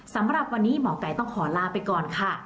สำหรับวันนี้หมอไก่ต้องขอลาไปก่อนค่ะ